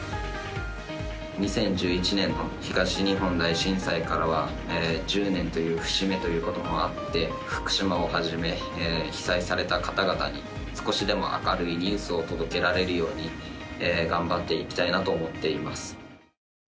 ２０１１年の東日本大震災から１０年という節目もあって福島をはじめ、被災された方々に少しでも明るいニュースを届けられるように頑張っていきたいなと思っています。